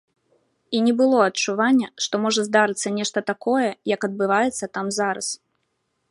І не было адчування, што можа здарыцца нешта такое, як адбываецца там зараз.